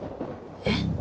えっ？